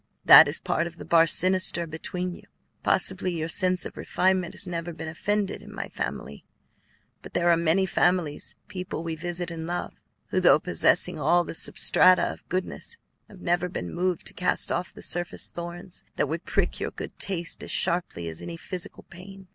That is part of the bar sinister between you. Possibly your sense of refinement has never been offended in my family; but there are many families, people we visit and love, who, though possessing all the substrata of goodness, have never been moved to cast off the surface thorns that would prick your good taste as sharply as any physical pain.